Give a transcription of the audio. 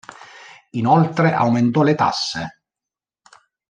Inoltre aumentò le tasse.